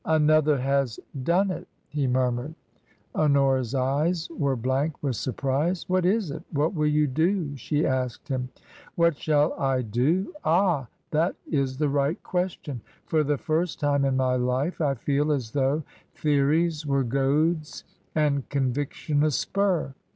" Another has done it," he murmured. Honora's eyes were blank with surprise. What is it ? What will you do ?" she asked him. What shall I do ? Ah ! That is the right question. For the first time in my life I feel as though theories were goads and conviction a spur.